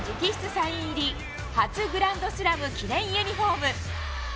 サイン入り、初グランドスラム記念ユニホーム。